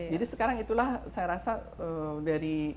jadi sekarang itulah saya rasa dari